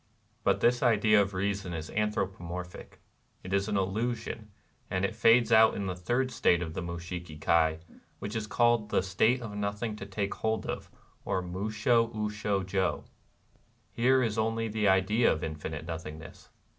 But this idea of reason is anthropomorphic : it is an illusion ; and it fades out in the third state of the Mushiki Kai, v/hich is called the " State of Nothing to take hold of," or Mu sJio u shd jo, Here is only the Idea of Infinite Nothingness.